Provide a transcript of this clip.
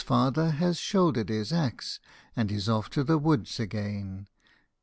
Red Riding Hood's father has shouldered his axe, And is off to the woods again.